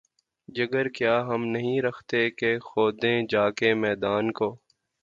جگر کیا ہم نہیں رکھتے کہ‘ کھودیں جا کے معدن کو؟